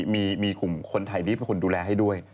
มีคลุมคนไทยรีบคนดูแลให้ด้วย